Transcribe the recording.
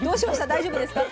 大丈夫ですか？